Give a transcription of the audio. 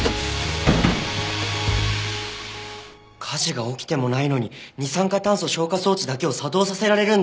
火事が起きてもないのに二酸化炭素消火装置だけを作動させられるんだ！